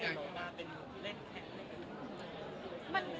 เล่าหน้าเป็นและแครก